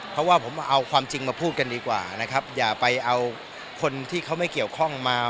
เพราะว่าผมเอาความจริงมาพูดกันดีกว่านะครับอย่าไปเอาคนที่เขาไม่เกี่ยวข้องมา